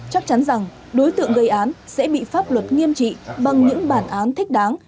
chắc chắn rằng đối tượng gây án sẽ bị pháp luật nghiêm trị bằng những bản án thích đáng